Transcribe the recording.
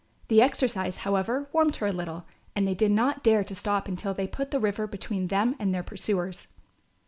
The exercise, however, warmed her a little and they did not dare to stop until they had put the river between them and their pursuers.